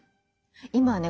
今はね